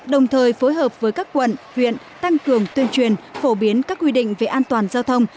đồng thời phối hợp với các quận huyện tăng cường tuyên truyền phổ biến các quy định về an toàn giao thông